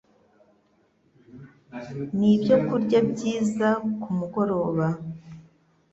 ni ibyokurya byiza ku mugoroba